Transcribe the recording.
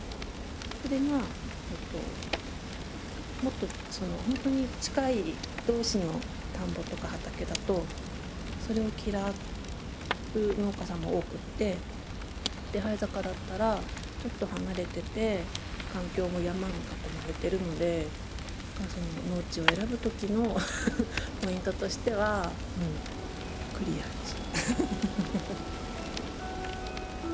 それがもっとほんとに近い同士の田んぼとか畑だとそれを嫌う農家さんも多くって手這坂だったらちょっと離れてて環境も山に囲まれてるので農地を選ぶときのポイントとしてはクリアでした。